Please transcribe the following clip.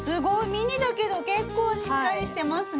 ミニだけど結構しっかりしてますね。